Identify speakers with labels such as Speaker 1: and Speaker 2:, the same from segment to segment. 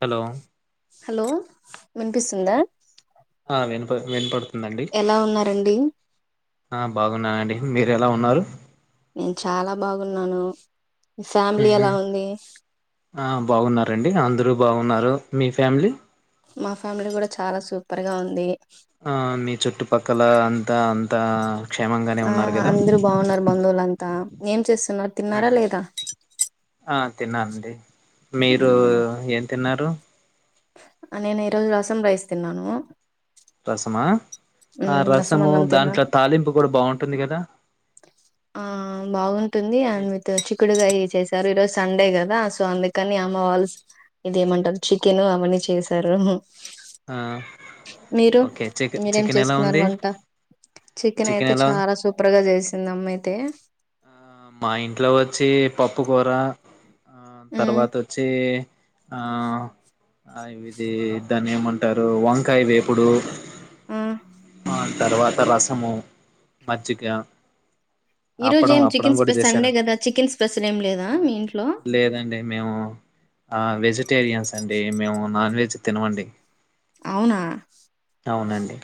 Speaker 1: Hello
Speaker 2: hello వినిపిస్తుందా
Speaker 1: ఆ వినుప వినపడుతుందండి
Speaker 2: ఎలా ఉన్నారండి
Speaker 1: ఆ బాగు న్నానండి మీరు ఎలా ఉన్నారు
Speaker 2: నేను చాలా బాగున్నాను మీ ఫ్యామిలీ
Speaker 1: ఉహు.
Speaker 2: ఎలా ఉంది
Speaker 1: ఆ బాగున్నారండి అందరు బాగున్నారు మీ ఫ్యామిలీ
Speaker 2: మా ఫ్యామిలీ కూడా చాలా సూపర్ గా ఉంది
Speaker 1: ఆ మీ చుట్టుపక్కల అంతా అంతా క్షేమంగానే
Speaker 2: ఆ
Speaker 1: ఉన్నారు కదా
Speaker 2: అందరు బాగున్నారు బంధువులంతా ఏం చేస్
Speaker 1: మ్ ఆ తిన్నానండీ మీరు ఏం తిన్నారు
Speaker 2: ఆ నేను ఈరోజు రసం రైస్ తిన్నాను
Speaker 1: రసమా ఆ
Speaker 2: మ్ రసం
Speaker 1: రసము
Speaker 2: అన్నం తిన్నా
Speaker 1: దాంట్ల తాలింపు కూడా బాగుంటుంది కదా
Speaker 2: ఆ బాగుంటుంది అండ్విత్ చిక్కుడుగయ్ చేస్ సారు ఈ రోజు సండే కదా సో అందుకని అమ్మ వాళ్ళ ఇదిేమంటారు చికెన్ అవన్నీ చేసారు
Speaker 1: ఆ
Speaker 2: మీరు
Speaker 1: ఓకే చికెన్
Speaker 2: మీరేం
Speaker 1: చికెన్ ఎలా
Speaker 2: చేసుకున్నారు
Speaker 1: ఉంది
Speaker 2: వంట చికెన్ అయితే
Speaker 1: ఎలా ఉ
Speaker 2: చాలా సూపర్గా చేసింది అమ్మ అయితే
Speaker 1: ఆ మా ఇంట్లో వచ్చి పప్పు కూర ఆ
Speaker 2: ఉమ్
Speaker 1: తర్వాత వచ్చి ఆ ఆ ఇది దాన్ని ఏమంటారు వంకాయ వేపుడు
Speaker 2: ఆ
Speaker 1: ఆన్ తర్వాత రసము మజ్జిగ
Speaker 2: ఈ రోజు
Speaker 1: అప్పడం
Speaker 2: ఏం
Speaker 1: అప్పడం
Speaker 2: చికెన్
Speaker 1: కూడా
Speaker 2: స్పెస్ సండే
Speaker 1: చేశారంట
Speaker 2: కదా చికెన్ స్పెసల్ ఏం లేదా మీ ఇంట్లో
Speaker 1: లేదండి మేము ఆ వెజిటేరియన్స్ అండి మేము నాన్ వెజ్ తినవండి
Speaker 2: అవునా
Speaker 1: అవునండి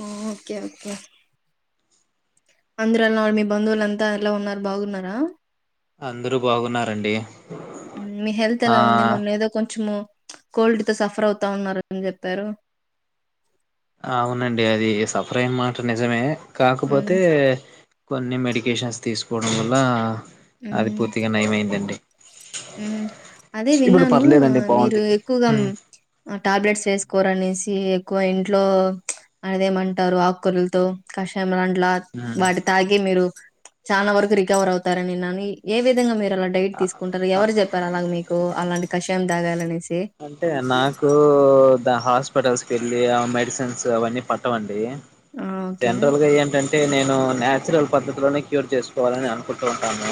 Speaker 2: ఓకే ఓకే ఆంధ్రలో మీ బంధువులంతా ఎలా ఉన్నారు బాగున్నారా
Speaker 1: అందరూ బాగున్నారండి
Speaker 2: మ్ మీ హెల్త్
Speaker 1: ఆ
Speaker 2: ఎలా ఉంది మొన్న ఏదో కొంచము కోల్డ్ తో సఫర్ అవుతా ఉన్నరని చెప్పారు
Speaker 1: అవునండి అది సఫర్ అయిన మాట నిజమే
Speaker 2: ఉమ్
Speaker 1: కాకపోతే కొన్ని మెడికేషన్స్ తీసుకోవడం వల్ల అది పూర్తిగా నయమైందండి
Speaker 2: మ్ అదే
Speaker 1: ఇప్పుడు
Speaker 2: విన్నాను
Speaker 1: పర్లేదండి
Speaker 2: మీరు
Speaker 1: బాగుంది
Speaker 2: ఎక్కువగా
Speaker 1: హ్మ్
Speaker 2: టాబ్లెట్స్ వేసుకోరనేసి ఎక్కువ ఇంట్లో అనేదేమంటారు ఆకూరలతో కషాయం
Speaker 1: హ్మ్
Speaker 2: వాటి తాగి మీరు చాలా వరకు రికవర్ అవుతారనిన్నా ఏ విధంగా మీరు అలా డైట్ తీసుకుంటారు
Speaker 1: అ
Speaker 2: ఎవరు చెప్పారు అలాగ మీకు అలాంటి కషాయం తాగాలనేసి
Speaker 1: అంటే నాకు హాస్పిటల్స్ కి వెళ్ళి మెడిసిన్స్ అవన్నీ పట్టవండి
Speaker 2: ఆ ఓకే
Speaker 1: జనరల్ గా ఏంటంటే అంటే నేను నాన్యాచురల్ పద్ధతిలోనే క్యూర్ చేసుకోవాలని అనుకుంటూ ఉంటాను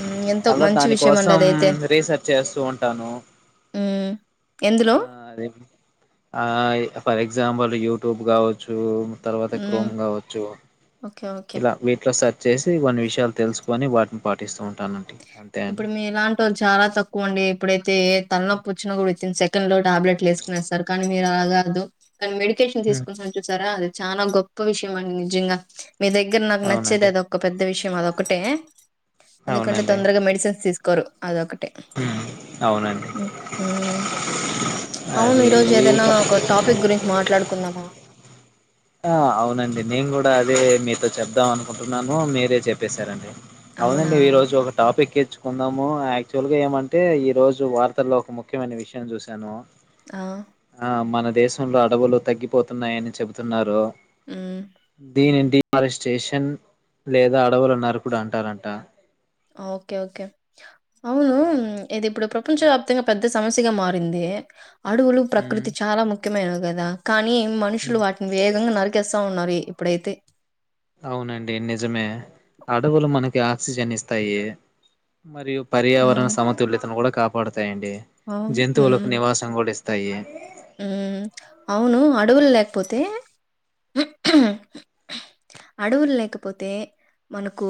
Speaker 2: హ్మ్. ఎంతో
Speaker 1: అలా
Speaker 2: మంచి
Speaker 1: దాని
Speaker 2: విషయం అండి
Speaker 1: కోసం
Speaker 2: అదైతే.
Speaker 1: రీసెర్చ్ చేస్తూ ఉంటాను
Speaker 2: హ్మ్. ఎందులో
Speaker 1: ఆ అదే ఆ ఫర్ ఎగ్జాంపుల్ యూట్యూబ్ కావచ్చు తర్వాత
Speaker 2: హ్మ్.
Speaker 1: క్రోమ్ కావచ్చు
Speaker 2: ఓకే. ఓకే.
Speaker 1: ఇలా వీటిలో సెర్చ్ చేసి కొన్ని విషయాలు తెలుసుకుని వాటిని పాటిస్తూ ఉంటా
Speaker 2: ఇప్పుడు మీ ఇలాంటి వాళ్ళు చాలా తక్కువ అండి ఇప్పుడైతే తలనొప్పు వచ్చినా కూడా వితిన్ సె సెకన్ లో టాబ్లెట్లు వేసుకునిస్తారు కానీ మీరు అలాగాదు కానీ మెడికేషన్
Speaker 1: హ్మ్.
Speaker 2: తీసుకుని చూసారా అ చాలా గొప్ప విషయం అండి నిజంగా మీ దగ్గర నాకు నచ్చేది
Speaker 1: అవునండి
Speaker 2: అది ఒక పెద్ద విషయం అటే ఎందుకంటే
Speaker 1: అవునండి
Speaker 2: తొందరగా మెడిసిన్స్ తీసుకోరు అదొకటి
Speaker 1: హ్మ్. అవునండి
Speaker 2: ఉమ్ అవును
Speaker 1: అది
Speaker 2: ఈ రోజు ఏదైనా
Speaker 1: ఇంకా
Speaker 2: ఒక టాపిక్ గురించి మాట్లాడుకుందామా
Speaker 1: ఆ అవునండి నేను కూడా అదే మీతో చెప్దాం అనుకుంటున్నాను మీరే చెప్పేశారండి
Speaker 2: అవునా
Speaker 1: అవునండి ఈ రోజు ఒక టాపి ఎక్ నచ్చుకుందాము యాక్చువల్ గా ఏమంటే ఈ రోజు వార్తల్లో ఒక ముఖ్యమైన విషయం చూశాను
Speaker 2: ఆ
Speaker 1: ఆ మన దేశంలో అడవులు తగ్గిపోతున్నాయని చెబుతున్నారు
Speaker 2: ఉమ్
Speaker 1: దనిడి మరి స్టేషన్ లేదా అడవులు నరకుడు అంటారంట
Speaker 2: ఓకే ఓకే అవును ఇది ఇప్పుడు ప్రపంచవ్యాప్తంగా పెద్ద సమస్యగా మారింది అ అడవులు
Speaker 1: మ్
Speaker 2: ప్రకృతి చాలా ముఖ్యమైనవి కదా కానీ మనుషులు వాటిని వేగంగా నరికేస్తా ఉన్నారు ఇప్పుడైతే
Speaker 1: అవునండి నిజమే అడవులు మనకి ఆక్సిజన్ ఇస్తాయి మరియు పర్యావరణ
Speaker 2: ఉమ్
Speaker 1: సమతుల్యతను కూడాపా స్తాయండి జంతువులకు నివాసం కూడా ఇస్తాయి
Speaker 2: ఉ అవును అడవులు లేకపోతే అడవులు లేకపోతే మనకు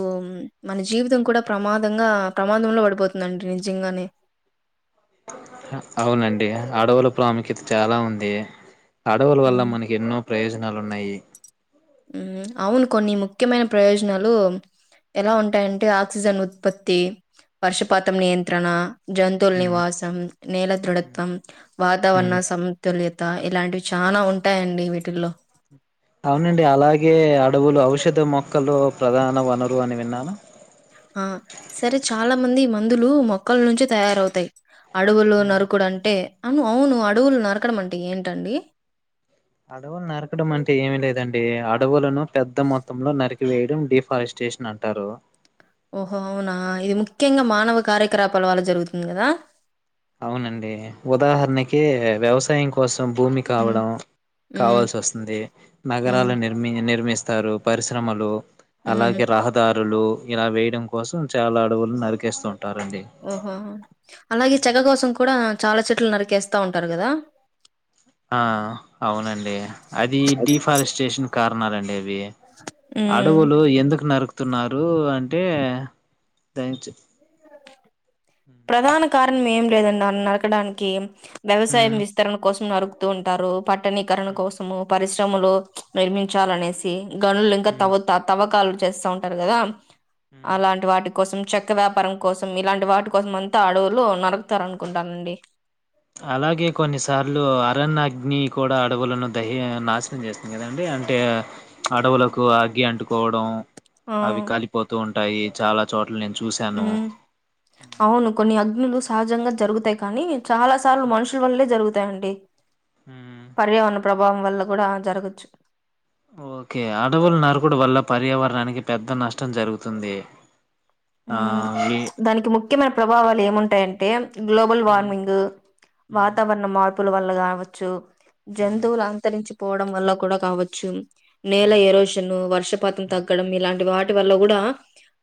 Speaker 2: మన జీవితం కూడా ప్రమాదంగా ప్రమాదంలో పడిపోతుందండి నిజంగానే
Speaker 1: అవునండి అడవుల ప్రాముఖ్యత చాలా ఉంది అడవుల వల్ల
Speaker 2: మ్మ్
Speaker 1: మనకి ఎన్నో ప్రయోజనాలు ఉన్నాయి
Speaker 2: అవును కొన్ని ముఖ్యమైన ప్రయోజనాలు ఎలా ఉంటాయంటే ఆక్సిజన్ ఉత్పత్తి వర్షపాతం నియంత్రణ జంతువుల
Speaker 1: ఉమ్,
Speaker 2: నివాసం నేల దృఢత్వం వాతావరణ
Speaker 1: ఉమ్.
Speaker 2: సతుల్య ఇలాంటివి చాల ఉంటాయండి వీటిల్లో
Speaker 1: అవునండి అలాగే అడవులు ఔషధ మొక్కలు ప్రధాన వనరు అని విన్నాను
Speaker 2: ఆ సరే చాలా మంది ఈ మందులు మొక్కల నుంచి తయారవుతాయి అడవులు
Speaker 1: ఉమ్.
Speaker 2: నరుకుడుంటే అవును అవును అడవులు నరకడం అంటే ఏంటండి
Speaker 1: అడవులు నరకడం అంటే ఏమి లేదండి అడవులను పెద్ద మొత్తంలో నరిక వేయడం డిఫారెస్టేషన్ అంటారు
Speaker 2: ఓహో అవునా ఇది ముఖ్యంగా మానవ కార్యకలాపాల వల జరుగుతుంది కదా
Speaker 1: అవునండి ఉదాహరణకి వ్యవసాయం కోసం భూమి
Speaker 2: హ్మ్.
Speaker 1: కావడం
Speaker 2: హ్మ్.
Speaker 1: కావాల్సి వస్తుంది
Speaker 2: హ్మ్.
Speaker 1: నగరాలు నిర్మి నిర్మిస్తు పరిశ్రమలు
Speaker 2: హ్మ్.
Speaker 1: అలాగే రహదారు లు ఇలా వేయడం కోసం చాలా అడవులను నరికేస్తుంటారు
Speaker 2: ఓహోహో అలాగే చెక్క కోసం కూడా చాలా చెట్లు నరికేస్తా ఉంటారు కదా
Speaker 1: ఆ అవునండి అది డిఫారెస్టేషన్ కారణాలండి అవి
Speaker 2: హ్మ్.
Speaker 1: అడవులు ఎందుకు నారుకు తున్నారు అంటే
Speaker 2: ప్రధాన కారణం ఏం లేదండి అడ నరకడానికి వ్యవసాయం
Speaker 1: మ్
Speaker 2: విస్తరణ కోసం నరుకుతూ ఉంటారు పట్టణీకరణ కోసము పరిశ్రమలు నిర్మించాలనేసి గనులు ఇంకా
Speaker 1: హ్మ్
Speaker 2: తవత తవ్వకాలు చేస్తా ఉంటారు కదా
Speaker 1: హ్మ్.
Speaker 2: అలాంటి వాటి కోసం చెక్క వ్యాపారం కోసం ఇలాంటి వాటి కోసం అంతా అడవులు నరుకుతారు అనుకుంటానండి
Speaker 1: అలాగే కొన్నిసార్లు అరణ్య అగ్ని కూడా అడవులను దయ్య నాశనం చేస్తుంది కదండి అంటే అడవులకు అగ్గి అంటుకోవడం
Speaker 2: ఆ
Speaker 1: అవి కలిపోతూ ఉంటాయి చాలా చో
Speaker 2: మ్మ్ అవును కొన్ని అగ్నులు సహజంగా జరుగుతాయి కానీ చాలా సార్లు
Speaker 1: హ్మ్.
Speaker 2: మనుషుల వల్లే జరుగుతాయండి
Speaker 1: హ్మ్.
Speaker 2: పర్యావరణ ప్రభావం వల్ల కూడా జరగచ్చు
Speaker 1: ఓకే అడవులు నరకుడు వల్ల పర్యావరణానికి పెద్ద నష్టం జరుగుతుంది ఆ
Speaker 2: మ్మ్
Speaker 1: ఎ
Speaker 2: దానికి ముఖ్యమైన ప్రభావాలు ఏముంటాయంటే గ్లోబల్
Speaker 1: హ్మ్.
Speaker 2: వార్మింగ్
Speaker 1: హ్మ్.
Speaker 2: వాతావరణ మా ర్పుల వల్ల కావచ్చు
Speaker 1: హ్మ్.
Speaker 2: జంతువులు అంతరించి పోవడం వల్ల కూడా కావచ్చు నేల
Speaker 1: హ్మ్.
Speaker 2: ఎరోషన్ వర్షపాతం
Speaker 1: హ్మ్.
Speaker 2: తగ్గడం ఇలాంటి వాటి వల్ల కూడా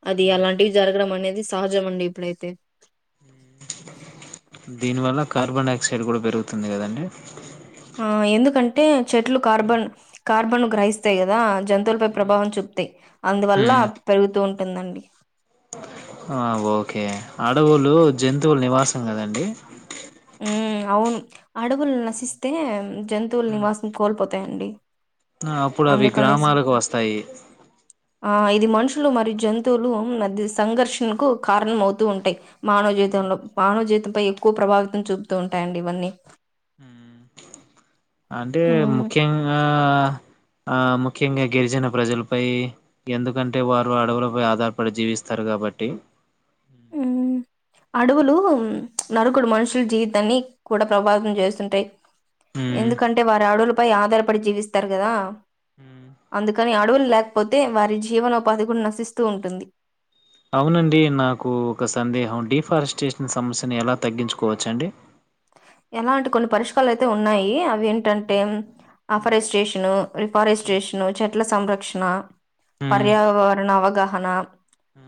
Speaker 2: అది
Speaker 1: హ్మ్.
Speaker 2: అలాంటివి జరగడం అనేది సహజం అండి ఇప్పుడైతే
Speaker 1: దీనివల్ల కార్బన్ డైఆక్సైడ్ కూడా పెరుగుతుంది కదండి
Speaker 2: ఆ ఎందుకంటే చెట్లు
Speaker 1: హ్మ్.
Speaker 2: కార్బన్ కార్బన్ను గ్రహిస్తాయి కదా జంతువులపై
Speaker 1: హ్మ్.
Speaker 2: ప్రభావం చూపుతాయి అందువల్ల
Speaker 1: హ్మ్.
Speaker 2: పెరుగుతూ ఉంటుందండి
Speaker 1: ఆ ఓకే అడవులు జంతువులు నివాసం కదండి
Speaker 2: ఉమ్మ్ అవును అడవులు నశిస్తే జంతువులు నివాసం కోల్పో తాయండీ
Speaker 1: ఆ అప్పుడు అవి గ్రామాలకు వస్తాయి
Speaker 2: ఆ ఇది మనుషులు మరియు జంతువులు మధ్య సంఘర్షణకు కారణం అవుతూ ఉంటాయి మానవ జీవితం లో మానవ జీవితంపై ఎక్కువ ప్రభావితం చూపుతూ ఉంటాయండి ఇవన్నీ
Speaker 1: అంటే
Speaker 2: హ్మ్.
Speaker 1: ముఖ్యంగా ఆ ముఖ్యంగా గిరిజన ప్రజలపై ఎందుకంటే వారు అడవులపై ఆధారపడి జీవి స్తారు కాబట్టి
Speaker 2: అడువులు నరుకుడు మనుషులు జీవితాన్ని కూడా ప్రభావితం చేస్తుంటాయి
Speaker 1: ఉమ్
Speaker 2: ఎందుకంటే వారు అడవులపై ఆధారపడి జీవిస్తారు కదా అందుకని అడవులు లేకపోతే వారి జీవనోపాధి కూడా నశిస్తూ ఉంటుంది
Speaker 1: అవునండి నాకు ఒక సందేహం డిఫారెస్టేషన్ సమస్యను ఎలా తగ్గించుకోవచ్చ అండి
Speaker 2: ఎలాంటే కొన్ని పరిష్కాలు అయితే ఉన్నాయి అవి ఏంటంటే
Speaker 1: ఉమ్
Speaker 2: అఫారెస్ట్రేషన్ రిఫారెస్ట్రేషన్ చెట్ల సంరక్షణ
Speaker 1: ఉమ్
Speaker 2: పర్యావరణ అవగాహనా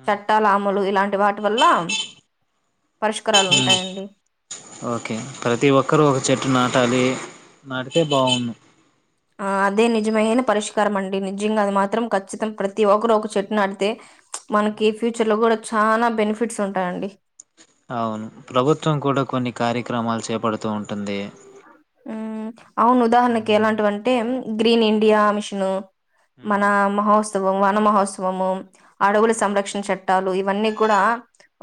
Speaker 2: చట్టాల అమలు ఇలాంటి వాటి వల్ల పరిష్కారాలు ఉంటాయండి
Speaker 1: ఓకే ప్రతి ఒక్కరు ఒక చెట్టు నాటాలి నాటితే బాగును
Speaker 2: ఆ అదే నిజమైన పరిష్కారం అండి నిజంగా అది మాత్రం ఖచ్చితం ప్రతి ఒక్కరు ఒక చెట్టు నాడితే మన కి ఫ్యూచర్‌లో కూడా చానా బెనిఫిట్స్ ఉంటాయండి
Speaker 1: అవును ప్రభుత్వం కూడా కొన్ని కార్యక్రమాలు చేపడుతూ ఉంటుంది
Speaker 2: మ్మ్ అవును ఉదాహరణకి ఎలాంటివంటే గ్రీన్ ఇండియా మిషను మన మహో త్సవం వన మహోత్సవము అడవుల సంరక్షణ చట్టాలు ఇవన్నీ కూడా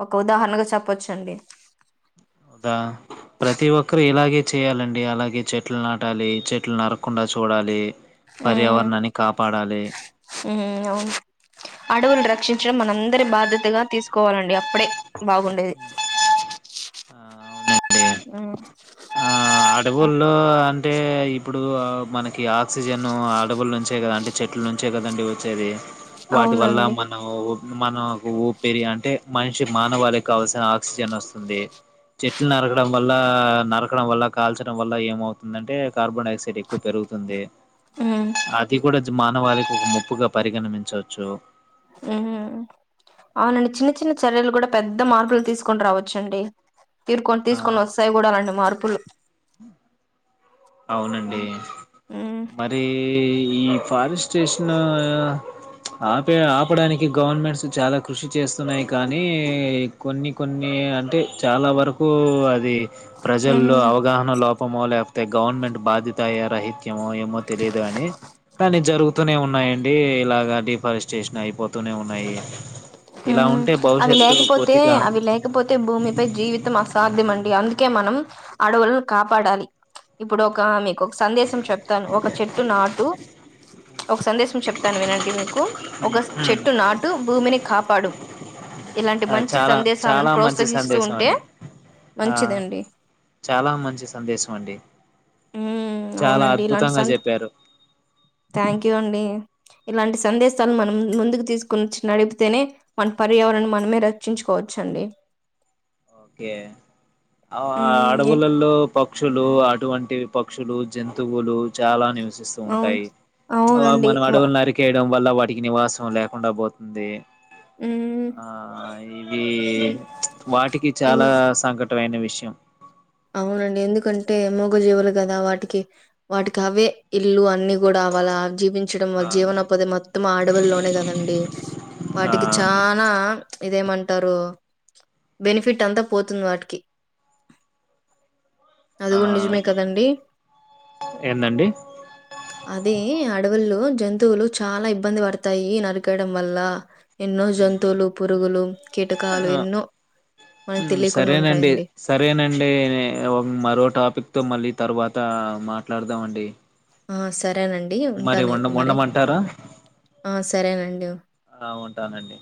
Speaker 2: ఒక ఉదాహరణగా చెప్పచ్చండి
Speaker 1: కదా ప్రతి ఒక్కరు ఇలాగే చేయాలండి అలాగే చెట్లు నాటాలి చెట్లు నరకుండా చూడాలి పర్యావరణాన్ని కాపాడాలి
Speaker 2: మ్ అవును అడవులు రక్షించడం మన అం దరి బాధ్యతగా తీసుకోవాలండి అప్పుడే బాగుండేది
Speaker 1: ఆ అవునండి
Speaker 2: మ్మ్
Speaker 1: ఆ అడవుల్లో అంటే ఇప్పుడు డు మనకి ఆక్సిజన్ అడవుల నుంచే కదా అంటే చెట్లు నుంచే కదండి వచ్చేది వాటి వల్ల
Speaker 2: అవునండి
Speaker 1: మనం మనకు ఊపిరి అంటే మనిషి మానవాళికి కావాల్సిన ఆక్సిజన్ వస్తుంది చెట్లు నరకడం వల్ల నరకడం వల్ల కాల్చడం వల్ల ఏమవుతుందంటే కార్బన్ డైఆక్సైడ్ ఎక్కువ పెరుగుతుంది
Speaker 2: మ్మ్
Speaker 1: అది కూడా మానవాళికి ఒక ముప్పుగా పరిగణమించవచ్చు
Speaker 2: మ్మ్ అవునండి చిన్న చిన్న చర్యలు కూడా పెద్ద మార్పులు తీసుకుని రావచ్చండి తీర్కొని తీసుకొని వస్తాయి కూడా అలాంటి మార్పులు
Speaker 1: హ అవునండి
Speaker 2: మ్మ్ ఉమ్
Speaker 1: మరి ఈ ఫారెస్టేషన్ ఆపే ఆపడానికి గవర్నమెంట్స్ చాలా కృషి చేస్తున్నాయి కానీ కొన్ని కొన్ని అంటే చాలా వరకు అది ది
Speaker 2: ఉమ్
Speaker 1: ప్రజల్లో అవగాహన లోపమో లేపోతే గవర్నమెంట్ బాధ్యత అయ్యే రహిత్ త్యమో ఏమో తెలిదు కాని కాని జరుగు తునే ఉన్నాయండి ఇలాగా డిఫారెస్టేషన్ అయిపోతూనే ఉన్నాయి ఇలా
Speaker 2: ఉమ్
Speaker 1: ఉంటే
Speaker 2: అవి
Speaker 1: భవిష్యత్తు
Speaker 2: లేకపోతే
Speaker 1: పూర్తిగా
Speaker 2: అవి లేకపోతే భూమిపై జీవితం అసాధ్యం అండి అందుకే మనం అడవులను కాపాడాలి ఇప్పుడు ఒకమె ఒక సందేశం చెప్తాను ఒక చెట్టు నాటు ఒక సందేశం చెప్తాను వినండి మీక్ కు ఒక
Speaker 1: హ్మ్
Speaker 2: చెట్టు నాటు భూమిని కాపాడు ఇలాంటి మంచి
Speaker 1: చాలా
Speaker 2: సందేశాలను
Speaker 1: చాలా మంచి
Speaker 2: ప్రోత్సహిస్తూ
Speaker 1: సందేశం
Speaker 2: ఉంటే
Speaker 1: అండి ఆ
Speaker 2: మంచిదండి
Speaker 1: చాలా మంచి సందేశం అండి
Speaker 2: ఉమ్
Speaker 1: చాలా
Speaker 2: అవునండి ఇలాంటి
Speaker 1: అద్భుతంగా
Speaker 2: సంత
Speaker 1: చెప్పారు
Speaker 2: థ్యాంక్ యూ అండి ఇలాంటి సందేశాలు మనం ముందుకు తీసుకుని నడుపు తేనే మన పర్యావరణం మనమే రక్షించుకోవచ్చండి
Speaker 1: ఓకే
Speaker 2: ఉమ్
Speaker 1: అడవులల్లో ప క్షులు అటువంటి పక్షులు జంతువులు చాలా ని సిస్తు
Speaker 2: అవును
Speaker 1: ఉంటాయి ఆ
Speaker 2: అవునండి
Speaker 1: మనం
Speaker 2: వ
Speaker 1: అడవులు నరికేయడం వల్ల వాటికి నివాసం లేకుండా బోతుంది
Speaker 2: మ్మ్
Speaker 1: ఆ ఇది వాటికి
Speaker 2: ఎందు
Speaker 1: చాలా సంఘ టవైన విషయం
Speaker 2: అవునండి ఎందుకంటే మూగ జీవులు కదా వాటికి వాటికి అవే ఇల్లు అన్ని గూడ వాళ్ళ జీవించడం
Speaker 1: ఆ
Speaker 2: జీవనోపాధి మొత్తం ఆడవుల్లోనే కదండి
Speaker 1: ఆ
Speaker 2: వాటికి చానా ఇదేమంటారు బెనిఫిట్ అంతా పోతుంది వాటికి అది
Speaker 1: ఆ
Speaker 2: కూడా నిజమే కదండి
Speaker 1: ఏందండి
Speaker 2: అది అడవుల్లో జంతువులు చాలా ఇబ్బంది పడతాయి నరికేయడం వల్ల ఎన్నో జంతువులు, పురుగులు, కీటకాలు
Speaker 1: ఆ
Speaker 2: ఎన్నో మనకు తెలియకుండా
Speaker 1: సరేనండి
Speaker 2: ఉంటాయండి
Speaker 1: సరేనండి ఎ మరో టాపిక్ తో మళ్ళీ తర్వాత మాట్లాడదాం అండి
Speaker 2: ఆ సరేనండి ఉంటానయితే మరి
Speaker 1: ఉండమంటారా
Speaker 2: ఆ సరేనండి
Speaker 1: ఆ ఉంటానండి